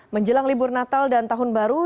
menjelang libur natal dan tahun baru